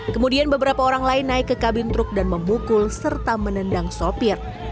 kemudian beberapa orang lain naik ke kabin truk dan memukul serta menendang sopir